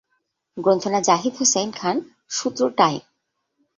গ্রন্থনা জাহিদ হোসাইন খান সূত্র টাইম